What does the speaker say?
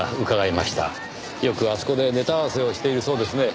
よくあそこでネタ合わせをしているそうですね。